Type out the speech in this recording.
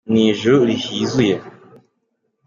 Ni ijuru rihizuye